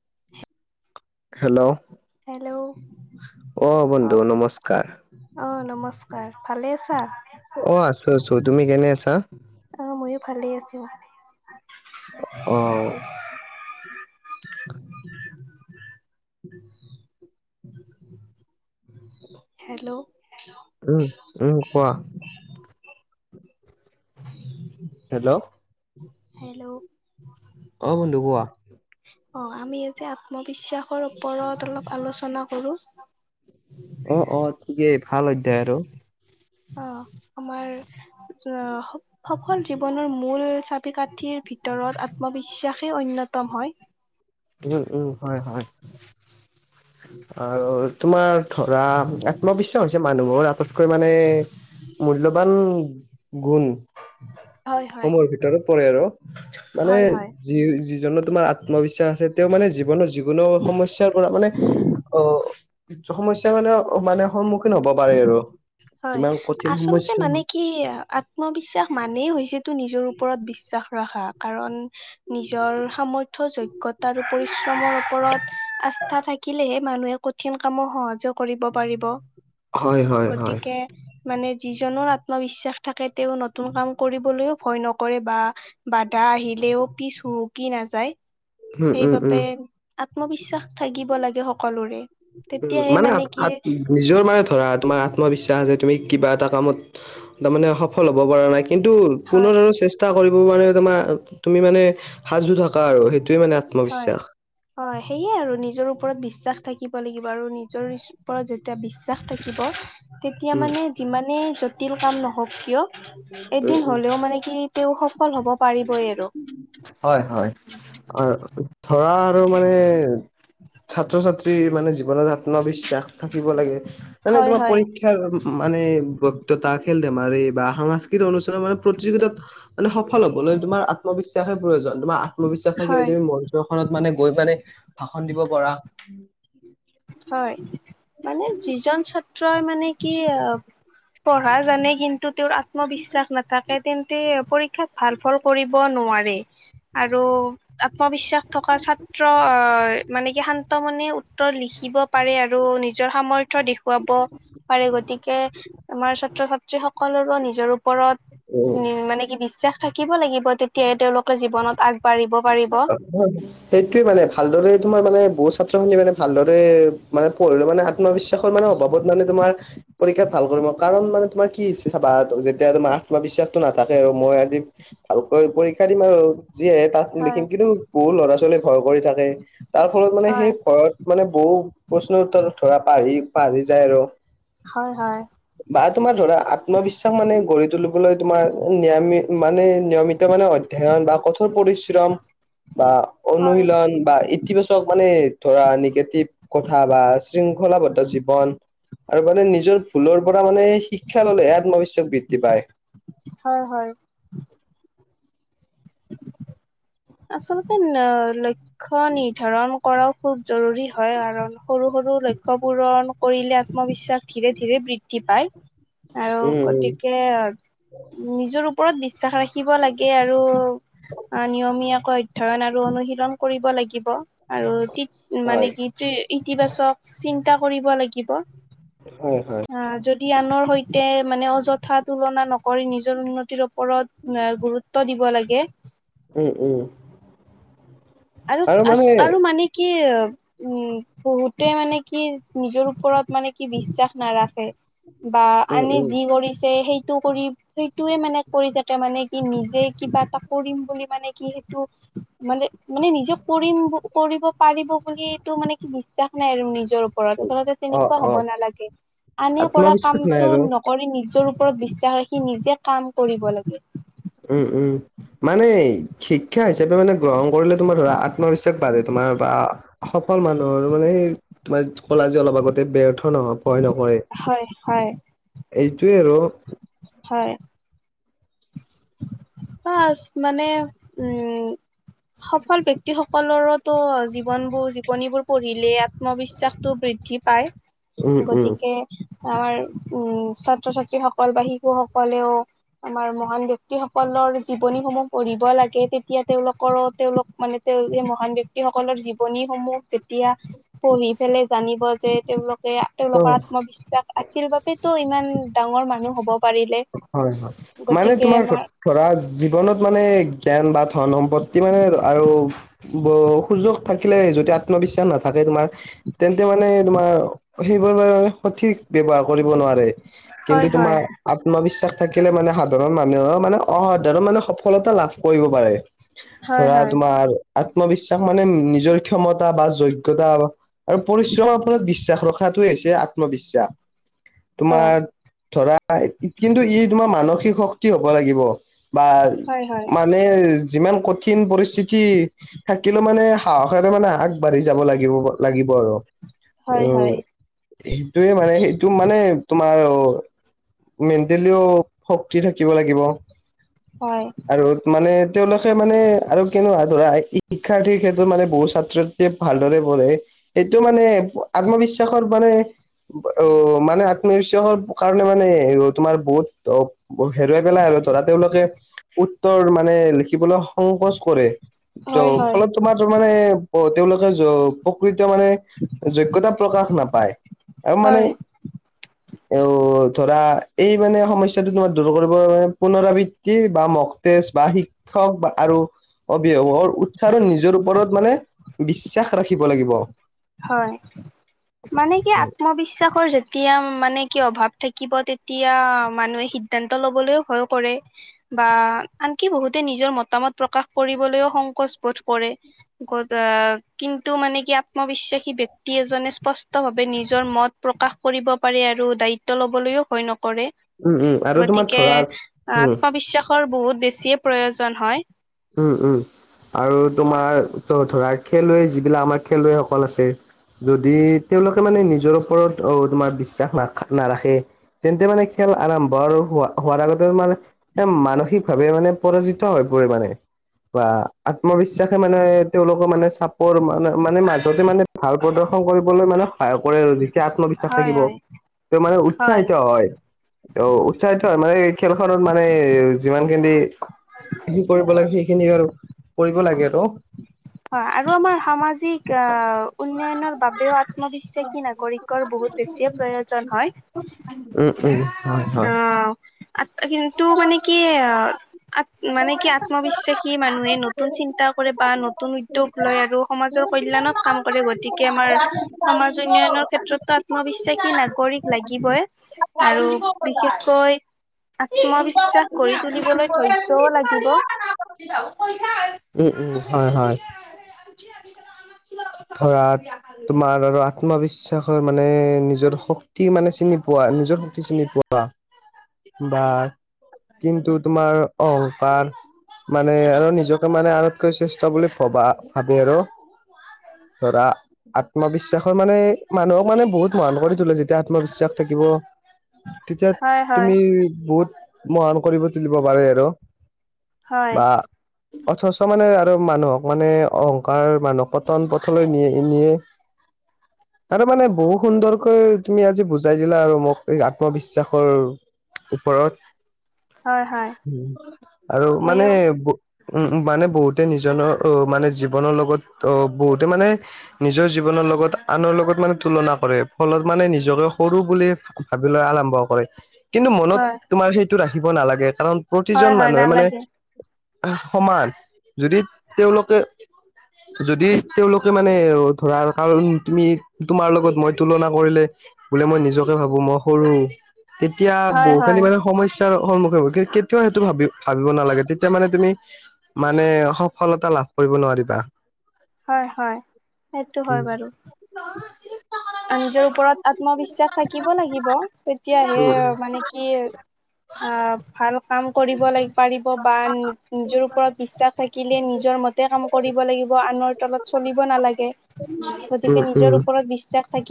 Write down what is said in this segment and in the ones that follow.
[inaudible] Hello hello. অ বন্ধু নমস্কাৰ। অহ নমস্কাৰ ভালে আছা। অ আছো আছো তুমি কেনে আছা অহ ময়ো ভালেই আছো। অ হেল্ল'। উম উম কোৱা। Hello hello. অ বন্ধু কোৱা। অ আমি ইতে আত্মবিশ্বাসৰ ওপৰত অলপ আলোচনা কৰো। অ অ ঠিকেই ভাল অধ্যায় সেইটো। অ আমাৰ আহ সফল জীৱনৰ মূল চাবি কাঠিৰ। ভিতৰত আত্মবিশ্বাসেই অন্যতম হয়। উম উম হয় হয়। আৰু তোমাৰ ধৰা আত্মবিশ্বাস হৈছে মানুহৰ। কৈ মানে মূল্যয়বান গুণ। অ। সময়ৰ ভিতৰত পৰে আৰু মানে হয় হয় যি যিজ তোমাৰ আত্মবিশ্বাস। আছে মানে জীৱনৰ যিকোনো সমস্যাৰ পৰা মানে অ সমস্যা মানে। মানে সন্মুখীন হ'ব পাৰে আৰু। হয় যিমান কঠিন আচলতে সমস্যা মানে কি আত্মবিশ্বাস মানেই হৈছে। টো নিজৰ ওপৰত বিশ্বাস ৰখা কাৰণ। নিজৰ সামৰ্থ যোগ্যতা আৰু পৰিশ্ৰমৰ ওপৰত আস্থা থাকিলেহে মানুহে কঠিন কামো সহজ কৰিব পাৰিব। হয় হয় হয়। গতিকে মানে। যিজনৰ আত্মবিশ্বাস থাকে তেওঁ নতুন কাম কৰিবলৈও ভয় নকৰে বা বাধা আহিলে লেও পিছ হুকি নাযায়। উম উম উম সেইবাবে আত্মবিশ্বাস থাকিব লাগে সকলোৰে। উম তেতিয়াহে মানে কি নিজৰ মানে ধৰা তোমাৰ আত্মবিশ্বাস। এয়া যে তুমি কিবা এটা কামত তাৰ মানে সফল হ'ব পৰা নাই। কিন্তু হয় পুনৰ আৰু চেষ্টা কৰিব কাৰে তোমাৰ তুমি মানে সাজু থাকা আৰু সেইটো। হয় হয় সেয়ে আৰু নিজৰ ওপৰত বিশ্বা- বিশ্বাস থাকিব লাগিব আৰু নিজৰ পৰা এতিয়া বিশ্বাস থাকিব তেতিয়া উম মানে যিমানে জটিল কাম নহওক কিয় উম এদিন উম হ'লেও মানে কি তেওঁ সফল হ'ব পাৰিবই আৰু। অ ধৰা আৰু মানে ছাত্ৰ ছাত্ৰী মানে জীৱনত আত্মবিশ্বাস থাকিব লাগে মানে হয় তোমাৰ হয় পৰীক্ষাৰ মানে বক্তয়তা খেল ধেমাৰি বা সাংস্কৃ- স অনুষ্ঠানৰ মানে প্ৰতিযোগিতাত মানে সফল হ'ব ন তোমাৰ আত্মবিশ্বাসে প্ৰয়োজন তোমাৰ আত্মবিশ্বাস থাকিবে হয় তুমি মঞ্চ খনত মানে গৈ পানে ভাষণ দিব পাৰা হয় মানে যিজন ছাত্ৰই মানে কি আহ পঢ়া জানে কিন্তু তেওঁৰ আত্মবিশ্বাস নাথাকে তেন্তে পৰী ক্ষাত ভাল ফল কৰিব নোৱাৰে। আৰু আত্মবিশ্বাস থকা ছাত্ৰ আহ মানে কি শান্ত মনে উত্তৰ লিখি আৰু নিজৰ সামৰ্থয় দেখুৱাব পাৰে গতিকে আমাৰ ছাত্ৰ ছাত্ৰীসকল স নিজৰ ওপৰত মানে কি বিশ্বাস থাকিব লাগিব তেতিয়াহে তেওঁলোক সেইটোয়ে মানে ভালদৰে তোমাৰ মানে বহুত ছাত্ৰ খিনি মানে ভালদৰে মানে পঢ়ো মানে আত্মবিশ্বাসৰ মানে অভাৱত মানে তোমাৰ পৰীক্ষাত ভাল কৰি কাৰণ মানে তোমাৰ কি চাবা যেতিয়া তোমাৰ আত্মবিশ্বাসটো নাথাকে আৰু মই আজি ভালকৈ পৰীক্ষা দিম আৰু যি আহে তাত হয় লিখিম কিন্তু বহুত ল'ৰা ছোৱালী ভৰ কৰি থাকে তাৰ ফলত মানে সেই হয় ভয়ৰত মানে বহু প্ৰশ্নৰ উত্তৰ ধৰা পাহি বাহি যায় আৰু। হয় হয় বা তোমাৰ ধৰা আত্মবিশ্বাস মানে গঢ়ি তুলিবলৈ তোমাৰ নিৰামি মানে নিয়মিত মানে ধ্যয়ান বা কঠোৰ পৰিশ্ৰম বা হয় অনুশীলন বা ইতিবাচক মানে ধৰা নিগেটিভ কথা বা শৃংখলাবদ্ধ জীৱন আৰু মানে নিজৰ ভুলৰ ওপৰত মানে শিক্ষা ললে আত্মবিশ্বাস বৃদ্ধি পায়। হয় হয় আচলতে ন লক্ষ্য নিৰ্ধাৰণ কৰক খুব জৰুৰী হয় কাৰণ সৰু সৰু লক্ষ্য পূৰণ কৰিলে আত্মবিশ্বাস ধীৰে ধীৰে বৃদ্ধি পায় [inaudible] আৰু উম উম গতিকে নিজৰ ওপৰত বিশ্বাস ৰাখিব লাগে আৰু আ নিয়মীয়াকৈ অধ্যয়ন আৰু অনুশীলন কৰিব লাগিব আৰু মানে হয় কি ইতিবাচক চিন্তা কৰিব লাগিব হয় হয় অ যদি আনৰ সৈতে মানে অযথা তুলনা নক কৰি নিজৰ উন্নতিৰ ওপৰত গুৰুত্ব দিব লাগে উম উম আৰু আ আৰু মানে কি উম বহুতে মানে কি নিজৰ ওপৰত মানে কি বিশ্বাস নাৰাখে বা উম আনে উম যি কৰিছে সেইটো কৰি সেইটোয়ে মানে কৰি থাকে মানে কি নিজে কিবা এটা কৰিম বুলি মানে কি সেইটো মানে মানে নিজে কৰিম কৰিব পাৰিব বুলি এইটো মানে কি বিশ্বাস নাই আৰু নিজৰ ওপৰত আচলতে অ তেনেকোৱা অ হব নালাগে আনে কৰা আত্মবিশ্বাস নাই কামটো আৰু নকৰি নিজৰ ওপৰত বিশ্বাস ৰাখি নিজে কাম কৰিব লাগে উম উম মানে শিক্ষা হিচাপে মানে গ্ৰহণ কৰিলে তোমাৰ ধৰা আত্মবিশ্বাস বাঢ়ে তোমাৰ বা সফল মানুহৰ মানে তোমাৰ ক'লাজি অলপ আগতে বেয় নহ ভয় নকৰে হয় হয় এইটোৱে আৰু হয় বা মানে উম সফল ব্যক্তিসকলৰো ত জীৱনবোৰ জীৱনীবোৰ পঢ়িলে ইয়াত আত্মবিশ্বাসটো বৃদ্ধি পায় উম উম গতিকে আমাৰ উম ছাত্ৰ ছাত্ৰীসকল বা শিশু সকলেও আমাৰ মহান ব্যক্তি সক সকলৰ জীৱনীসমূহ পঢ়িব লাগে তেতিয়া তেওঁলোকৰো তেওঁলোক মানে তেওঁ এই মহান ব্যক্তিসকলৰ জীৱনীসমূহ যেতিয়া পঢ়ি পেলাই জানিব যে তেওঁলোক যে তেওঁলোকৰ ত আত্মবিশ্বাস আছিল বাবেতো ইমান ডাঙৰ মানুহ হ'ব পাৰিলে হয় হয় মানে গতিকে তোমাৰ ক আমাৰ ধৰা জীৱনত মানে জ্ঞান বা ধন সম্পত্তি মানে আৰু ব সুযোগ থাকিলে যদি আত্মবিশ্বাস নাথাকে তোমাৰ তেন্তে মানে তোমাৰ সেইব সঠিক ব্যৱহাৰ কৰিব নোৱাৰে কিন্তু হয় হয় তোমাৰ আত্মবিশ্বাস থাকিলে মানে সাধাৰণ মানুহে মানে অসাধাৰণ মানে সফলতা লাভ কৰিব পাৰে হয় ধৰা হয় তোমাৰ আত্মবিশ্বাস মানে নিজৰ ক্ষমতা বা যোগ্যতা আৰু পৰিশ্ৰমৰ ওপৰত বিশ্বাস ৰখাটোৱেই হৈছে আত্মবিশ্বাস হয় তোমাৰ ধৰা কিন্তু ই তোমাৰ মানসিক শক্তি হ'ব লাগিব বা হয় হয় মানে যিমান কঠিন পৰিস্থিতি থাকিলো মানে সাহসেৰে মানে আগবাঢ়ি যাব লাগিব লাগিব আৰু অ হয় হয় সেইটোয়ে মানে সেইটো মানে তোমাৰ মেণ্টেলিও শক্তি থাকিব লাগিব হয় আৰু মানে তেওঁলোকে মানে আৰু কেনেকোৱা ধৰা শিক্ষাৰ্থীৰ ক্ষেত্ৰত মানে বহু ছাত্ৰ ছাত্ৰীয়ে ভালদৰে পঢ়ে সেইটো মানে আত্মবিশ্বাসৰ মানে অ মানে আত্মবিশ্বাসৰ কাৰণে মানে তোমাৰ বহুত অ হেৰুৱাই পেলাই আৰু ধৰা তেওঁলোকে উত্তৰ মানে লিখিবলৈ সংকোচ কৰে হয় হয় ফলত তোমাৰ মানে তেওঁলোকে প্ৰকৃত মানে যোগ্যতা প্ৰকাশ নাপায় আৰু মানে হয় অ ধৰা এই মানে সমস্যাটো তোমাৰ দূৰ কৰিব মানে পুনৰাবৃত্তি বা মক্তেছ বা শি ক্ষক আৰু অভিভাৱক উৎসাহো নিজৰ ওপৰত মানে বিশ্বাস ৰাখিব লাগিব হয় মানে কি আত্মবিশ্বাসৰ যেতিয়া মানে কি অভাৱ থাকিব তেতিয়া মানুহে সিদ্ধান্ত ল'বলৈও ভয় কৰে বা আন কি বহুতে নিজৰ মতামত প্ৰকাশ কৰিবলৈও সংকোচ বোধ কৰে কিন্তু টো মানে কি আত্মবিশ্বাসী ব্যক্তি এজনে স্পষ্টভাৱে নিজৰ মত প্ৰকাশ কৰিব পাৰে আৰু দায়িত্ব ল'বলৈও ভয় নকৰে উম কৰে আৰু তোমাৰ গতিকে ধৰা উম আত্মবিশ্বাসৰ বহুত বেছিয়ে প্ৰয়োজন হয় উম উম আৰু তোমাৰ ত ধৰা খেলুৱৈ যিবিলাক আমাৰ খেলুৱৈসকল আছে যদি তেওঁলোকে মানে নিজৰ ওপৰত আহ তোমাৰ বিশ্বাস নাখ নাৰাখে তেন্তে মানে খেল আৰম্ভ আৰু হ হোৱাৰ আগতে মানে মানসিক ভাৱে মানে পৰাজিত হয় বোৰে আত্মবিশ্বাসে মানে তেওঁলোকৰ মানে চাপৰ মানে মানে মাজতে মানে ভাল প্ৰদৰ্শন কৰিবলৈ মানে সহায় কৰে আৰু যেতিয়া আত্মবিশ্বাস হয় থাকিব হয় তেওঁ মানে উৎসাহিত হয় অ উৎসাহিত হয় মানে খেলখনত মানে যিমান স কৰিব লাগে সেইখিনি আৰু কৰিব লাগে আৰু হয় আৰু আমাৰ সামাজিক আহ উন্নয়নৰ বাবেও আত্মবিশ্বাসী নাগৰিকৰ বহুত বেছিয়ে প্ৰয়োজন হয় [unintelligible] [inaudible] ওম ওম অ কিন্তু মানে কি আ মানে কি আত্মবিশ্বাসী মানুহে নতুন চিন্তা কৰে বা নতুন উদ্যোগ লয় আৰু সমাজত কল্যাণত কাম কৰে গতিকে আমাৰ সমাজ উন্নয়নৰ ক্ষেত্ৰতো আত্মবিশ্বাসী নাগৰিক লাগে লাগিবই আৰু বিশেষকৈ কৈ থ আত্মবিশ্বাস গঢ়ি তুলিবলৈ ধৈৰ্যও লাগিব [unintelligible] [unintelligible] উ হয় হয় [inaudible] ধৰা তোমাৰ আৰু আত্মবিশ্বাসৰ মানে নিজৰ শক্তি মানে চিনি পোৱা। নিজৰ শক্তি চিনি পোৱা [inaudible] বা কিন্তু তোমাৰ অহংকাৰ মানে আৰু নিজকে মানে আনতকৈ শ্ৰেষ্ঠ বুলি ভবা ভাবি আৰু ধৰা আত্মবিশ্বাসৰ মানে মানুহক মানে বহুত মানুহ কৰি তোলে যেতিয়া আত্মবিশ্বাস থাকিব তেতিয়া হয় হয় তুমি বহুত মহান কৰিব তুলিব পাৰে আৰু হয় বা অথচ মানে মানুহক মানে অহংকাৰ মানুহক পটন পথলৈ নিয়ে নিয়ে [inaudible] আৰু মানে বহু সুন্দৰকৈ তুমি আজি বুজাই দিলা আৰু মোক এই আত্মবিশ্বাসৰ ওপৰত হয় হয় আৰু মানে ময়ো উম মানে বহুতে নিজৰনৰ অ মানে জীৱনৰ লগত অ বহুতে মানে নিজৰ জীৱনৰ লগত আনৰ লগত মানে তুলনা কৰে ফলত মানে নিজকে সৰু বুলি ভাবি লৈ আৰম্ভ কৰে কিন্তু মনত হয় তোমাৰ সেইটো ৰাখিব নালাগে কাৰণ হয় প্ৰতিজন হয় মানুহে মানে নালাগে সমান যদি তেওঁলোকে যদি তেওঁলোকে মানে ধৰাৰ কাৰণ তুমি তোমাৰ লগত মই তুলনা কৰিলে বোলে মই নিজকে ভাবো মই সৰু তেতিয়া হয় বহু খিনি হয় মানে সমস্যা সমস্যাৰ সন্মুখীন কেতিয়াও সেইটো ভ ভাবিব নালাগে তেতিয়া মানে তুমি মানে সফলতা লা [unintelligible] লাভ কৰিব নোৱাৰিবা হয় হয় সেইটো হয় উম বাৰু নিজৰ ওপৰত আত্মবিশ্বাস থাকিব লাগিব তেতিয়াহে উম মানে কি অ ভাল কাম কৰিব লাগ পাৰিব বা নিজৰ ওপৰত বিশ্বাস থাকিলে নিজৰ মতে কাম কৰিব লাগিব আনৰ লত চলিব নালাগে গতিকে উম নিজৰ উম ওপৰত বিশ্বাস থাক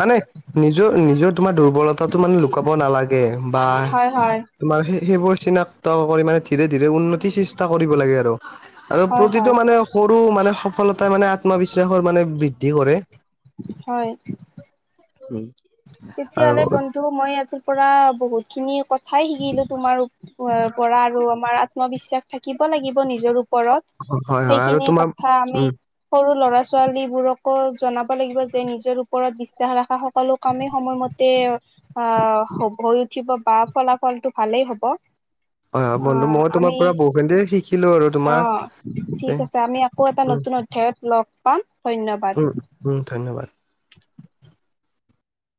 মানে নিজৰ নিজৰ তোমাৰ দুৰ্বলতাটো মানে লুকাব নালাগে। বা হয় হয় তোমাৰ সেইবোৰ চিনাক্ত কৰি মানে ধ ধৰে উন্নতি চেষ্টা কৰিব লাগে আৰু, আৰু হয় হয় প্ৰতিটো মানে সৰু মানে সফলতাই মানে আত্মবিশ্বাসৰ মানে বৃদ্ধি কৰে। হয় উম তেতিয়াহলে আৰু বন্ধু মই আজিৰ পৰা বহুত খিনি কথাই শিকিলো তোমাৰ পৰা আৰু আমাৰ আত্মবিশ্বাস থাকিব লাগিব নিজৰ ওপৰত হয় হয় আৰু সেইখিনি তোমাৰ কথা আমি উম সৰু ল'ৰা ছোৱালীবোৰকো জনাব লাগিব যে নিজৰ ওপৰত বিশ্বাস ৰখা সকলো কমেই সময়মতে আহ হৈ উঠিব বা ফলাফলটো ভালেই হব। হয় হয় [unintelligible] অ বন্ধু মই আমি তোমাৰ পৰা বহুখিনি শিকিলো আৰু অ তোমাৰ ঠিক তে আছে আমি আকৌ এটা উম নতুন ঠত লগ পাম ধন্যবাদ। উম উম ধন্যবাদ